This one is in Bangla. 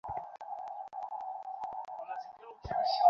হ্যাঁ, অনুভূতির শব্দগুলো বলো।